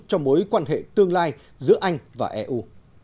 cho mối quan hệ tương lai giữa anh và eu